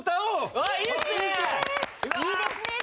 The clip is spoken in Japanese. いいですね